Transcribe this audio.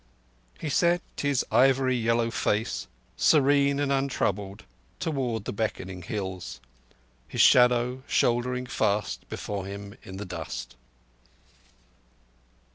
He set his ivory yellow face, serene and untroubled, towards the beckoning Hills; his shadow shouldering far before him in the dust.